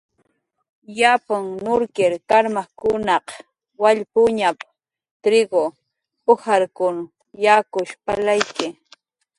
"Yapn nurkir karmajkunaq wallpuñap"" triku, ujarkun yakush palayki"